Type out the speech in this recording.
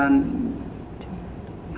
hai năm hai năm trước